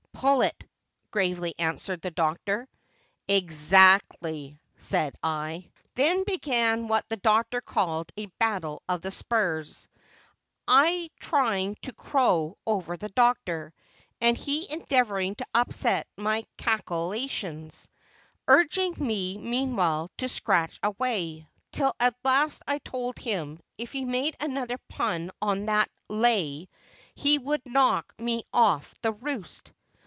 "Pullet," gravely answered the Doctor. "Eggsactly," said I. Then began what the Doctor called a "battle of the spurs," I trying to "crow" over the Doctor, and he endeavoring to upset my "cackle ations"; urging me meanwhile to "scratch away," till at last I told him, if he made another pun on that "lay," he would knock me off the roost.